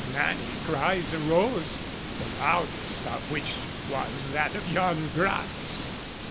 Many cries arose, the loudest of which was that of Yan Gratz.